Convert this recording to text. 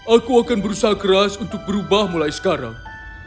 aku akan berusaha keras untuk berubah mulai sekarang